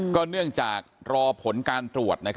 เนื่องจากรอผลการตรวจ